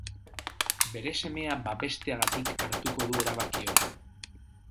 Bere semea babesteagatik hartuko du erabaki hori.